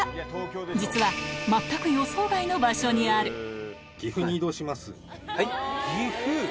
実は全く予想外の場所にあるはい？